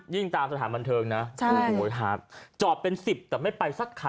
ตามสถานบันเทิงนะจอดเป็น๑๐แต่ไม่ไปสักคัน